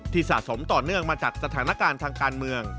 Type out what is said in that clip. สะสมต่อเนื่องมาจากสถานการณ์ทางการเมือง